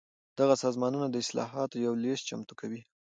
دغه سازمانونه د اصلاحاتو یو لېست چمتو کوي.